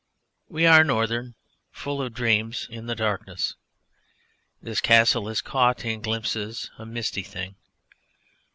We are northern, full of dreams in the darkness; this Castle is caught in glimpses, a misty thing.